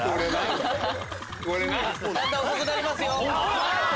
だんだん遅くなりますよ。